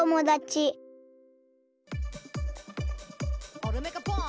「オルメカポン！